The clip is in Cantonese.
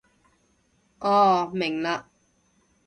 哦，明嘞